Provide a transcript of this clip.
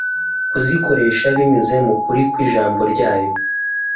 kuzikoresha binyuze mu kuri kw’ijambo ryayo. …